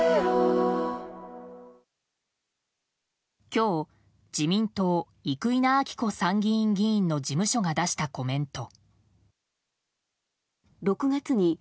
今日、自民党生稲晃子参議院議員の事務所が出したコメント。